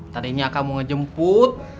tadinya akang mau ngejemput